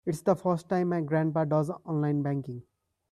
It's the first time my grandpa does online banking.